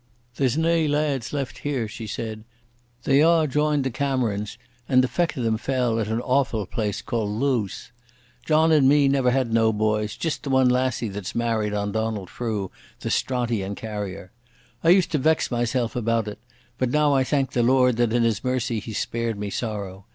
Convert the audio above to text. "There's nae lads left here," she said. "They a' joined the Camerons, and the feck o' them fell at an awfu' place called Lowse. John and me never had no boys, jist the one lassie that's married on Donald Frew, the Strontian carrier. I used to vex mysel' about it, but now I thank the Lord that in His mercy He spared me sorrow.